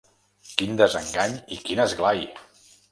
Quin desengany i quin esglai